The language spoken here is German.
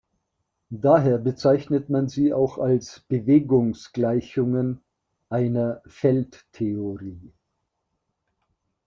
Daher bezeichnet man sie auch als Bewegungsgleichungen einer Feldtheorie.